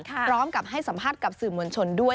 พร้อมกับให้สัมภาษณ์กับสื่อมวลชนด้วย